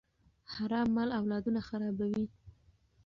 حرام مال اولادونه خرابوي.